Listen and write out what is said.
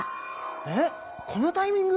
えっこのタイミング？